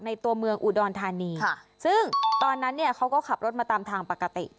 ตัวเมืองอุดรธานีซึ่งตอนนั้นเนี่ยเขาก็ขับรถมาตามทางปกติ